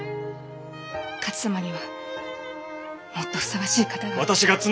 勝様にはもっとふさわしい方が。